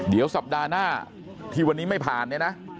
เดี๋ยวสัปดาห์หน้าที่วันนี้ไม่ผ่านเนี่ยนะ